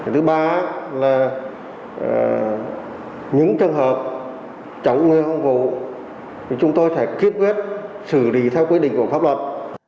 thứ ba là những trường hợp chống người thi hành công vụ thì chúng tôi sẽ kết quyết xử lý theo quyết định của pháp luật